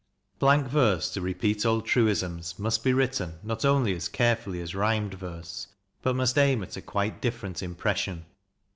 Blank verse, to repeat old truisms, must be written not only as carefully as rhymed verse, but x must aim at a quite different impression.